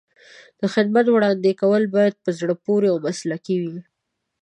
د خدمت وړاندې کول باید په زړه پورې او مسلکي وي.